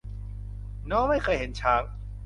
น้องไม่เคยเห็นช้าง